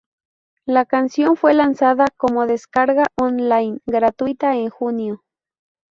La canción fue lanzada como descarga on-line gratuita en junio.